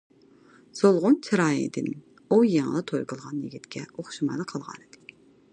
سولغۇن چىرايىدىن ئۇ يېڭىلا توي قىلغان يىگىتكە ئوخشىمايلا قالغانىدى.